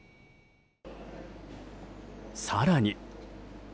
更に。